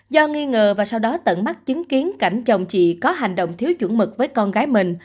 do nghi ngờ và sau đó tận mắt chứng kiến cảnh chồng chị có hành động thiếu chuẩn mực với con gái mình